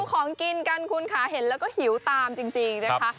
ของกินกันคุณค่ะเห็นแล้วก็หิวตามจริงนะคะ